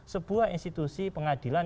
sebuah institusi pengadilan